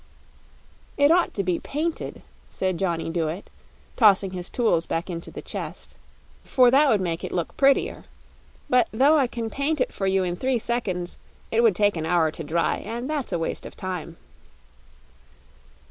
"It ought to be painted," said Johnny Dooit, tossing his tools back into the chest, "for that would make it look prettier. But 'though I can paint it for you in three seconds it would take an hour to dry, and that's a waste of time."